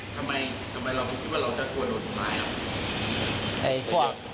ทำไมทำไมคุณคิดว่าเราจะกลัวโดนทำร้ายครับ